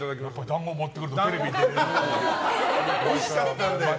団子持ってくるとテレビに出られるんだね。